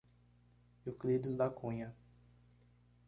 Euclides da Cunha